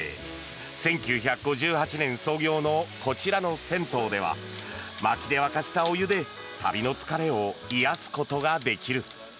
１９５８年創業のこちらの銭湯ではまきで沸かしたお湯で旅の疲れを癒やすことができる。